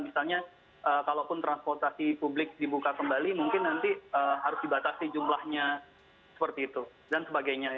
misalnya kalaupun transportasi publik dibuka kembali mungkin nanti harus dibatasi jumlahnya seperti itu dan sebagainya